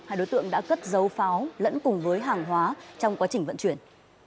hai đối tượng đã cất dấu pháo lẫn cùng với hàng hóa trong quá trình vận chuyển